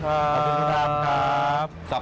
ขอบคุณพี่ป้อครับ